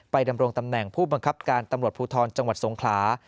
ดำรงตำแหน่งผู้บังคับการตำรวจภูทรจังหวัดสงขลา